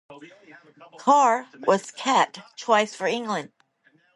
Carr was capped twice for England.